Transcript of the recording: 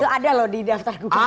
itu ada loh di daftar gubernur